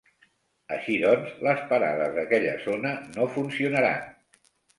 Així doncs, les parades d'aquella zona no funcionaran.